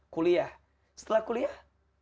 kuliah setelah kuliah